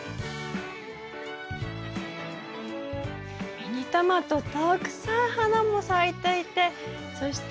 ミニトマトたくさん花も咲いていてそして